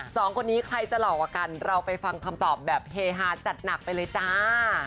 สองคนนี้ใครจะหล่อกว่ากันเราไปฟังคำตอบแบบเฮฮาจัดหนักไปเลยจ้า